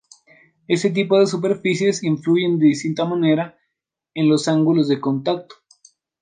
Este tipo de superficies influyen de distinta manera en los ángulos de contacto.